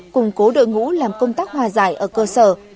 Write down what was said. củng cố đội ngũ làm công tác hòa giải ở cơ sở